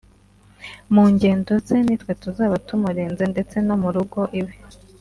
mu ngendo ze nitwe tuzaba tumurinze ndetse no mu rugo iwe